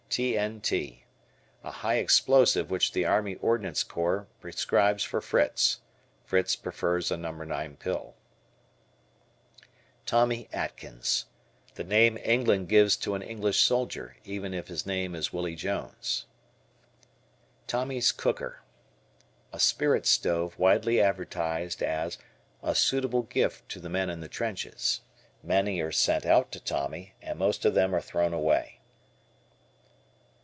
T.N.T. A high explosive which the Army Ordnance Corps prescribes for Fritz. Fritz prefers a No. 9 pill. "Tommy Atkins." The name England gives to an English soldier, even if his name is Willie Jones. Tommy's Cooker. A spirit stove widely advertised as "A suitable gift to the men in the trenches." Many are sent out to Tommy and most of them are thrown away.